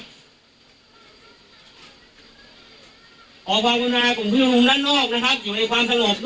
ขอบความน่ากลุ่มผู้ชมนุมด้านนอกนะครับอยู่ในความสงบด้วยนะครับเราพร้อมที่อำนวนความสะดวกให้นะครับ